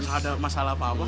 tidak ada masalah apa apa